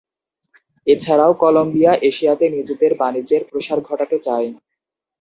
এছাড়াও, কলম্বিয়া এশিয়াতে নিজেদের বাণিজ্যের প্রসার ঘটাতে চায়।